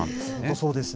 そうですね。